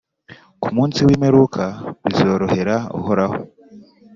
ku munsi w’imperuka, bizorohera Uhoraho